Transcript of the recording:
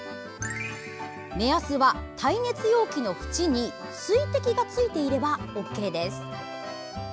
目安は耐熱容器のふちに水滴がついていればＯＫです。